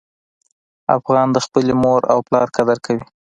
افغان د خپلې مور او پلار قدر کوي.